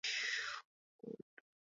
The following year she was ordained.